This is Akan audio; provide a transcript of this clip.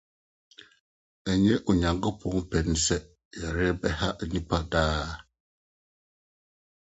Ɛnyɛ Onyankopɔn pɛ ne sɛ yare bɛhaw nnipa daa.